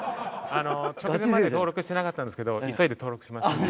直前まで登録してなかったんですけど急いで登録しました。